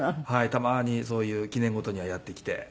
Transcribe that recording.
たまにそういう記念事にはやって来てはい。